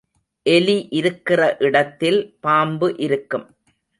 எலி இருக்கிற இடத்தில் பாம்பு இருக்கும்.